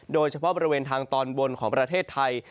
โดยเฉพาะบริเวณทางตอนบนของประเทศไทย